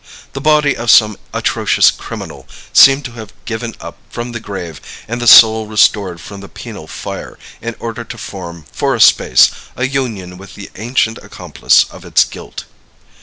The body of some atrocious criminal seemed to have been given up from the grave, and the soul restored from the penal fire, in order to form, for a space, a union with the ancient accomplice of its guilt.